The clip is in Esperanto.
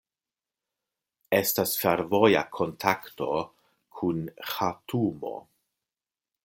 Estas fervoja kontakto kun Ĥartumo.